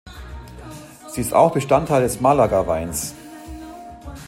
Sie ist auch Bestandteil des Málaga-Weins.